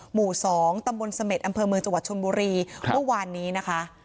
หมู่๒ตำบลเสม็ดอำเภอเมืองจังหวัดชนบุรีเมื่อวานนี้นะคะ